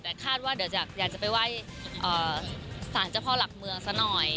แต่คาดว่าเดี๋ยวอยากจะไปไหว้สารเจ้าพ่อหลักเมืองซะหน่อย